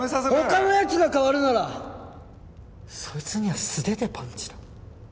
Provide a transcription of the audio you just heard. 他の奴が代わるならそいつには素手でパンチだ。